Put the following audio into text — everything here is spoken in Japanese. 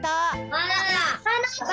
バナナ！